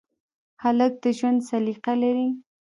هلک د ژوند سلیقه لري.